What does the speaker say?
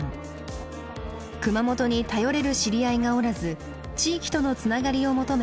熊本に頼れる知り合いがおらず地域とのつながりを求め